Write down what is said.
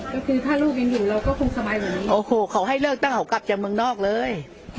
ก็คือถ้าลูกยังอยู่เราก็คงสบายอย่างนั้นโอ้โหเขาให้เลือกตั้งเขากลับจากเมืองนอกเลย